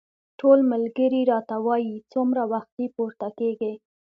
ټول ملګري راته وايي څومره وختي پورته کېږې.